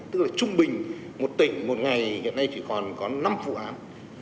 tức là trung bình một tỉnh một ngày hiện nay chỉ còn có năm vụ án